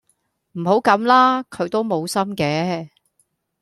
唔好咁啦，佢都冇心嘅